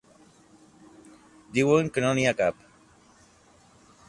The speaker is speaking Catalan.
Diuen que no n'hi ha cap.